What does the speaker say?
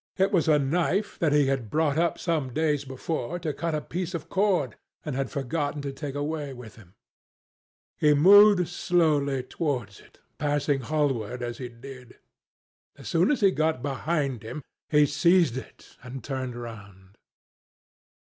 It was a knife that he had brought up, some days before, to cut a piece of cord, and had forgotten to take away with him. He moved slowly towards it, passing Hallward as he did so. As soon as he got behind him, he seized it and turned round.